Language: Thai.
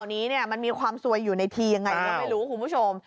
ตอนนี้มันมีความซวยอยู่ในทียังไงก็ไม่รู้คุณผู้ชม